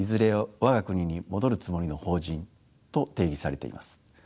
我が国に戻るつもりの邦人と定義されています。